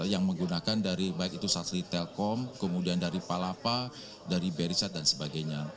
yang menggunakan dari baik itu satri telkom kemudian dari palapa dari beriset dan sebagainya